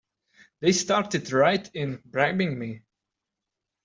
They started right in bribing me!